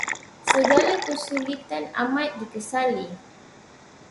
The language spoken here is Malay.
Segala kesulitan amat dikesali.